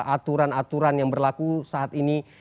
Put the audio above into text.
aturan aturan yang berlaku saat ini